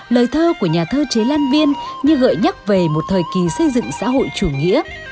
lời thơ của nhà thơ chế lan viên như gợi nhắc về một thời kỳ xây dựng xã hội chủ nghĩa